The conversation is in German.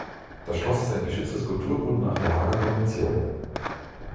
Das Schloss ist ein geschütztes Kulturgut nach der Haager Konvention.